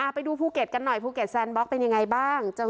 ไปดูภูเก็ตกันหน่อยภูเก็ตแซนบล็อกเป็นยังไงบ้าง